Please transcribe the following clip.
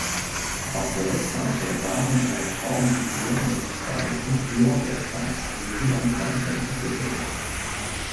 Auf der Rückseite waren eine Frauenfigur mit Zweig und Lorbeerkranz sowie ein Kleinkind abgebildet.